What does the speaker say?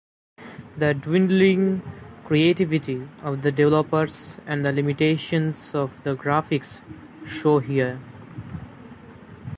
The dwindling creativity of the developers and the limitations of the graphics show here.